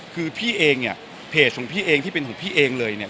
คือพี่เองเนี่ยเพจของพี่เองที่เป็นของพี่เองเลยเนี่ย